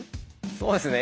そうですね